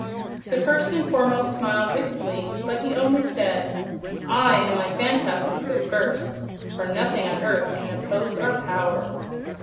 The First and Foremost smiled wickedly; but he only said: "I and my Phanfasms go first, for nothing on earth can oppose our power."